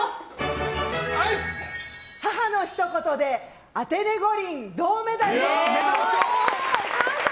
母の一言でアテネ五輪・銅メダル！です。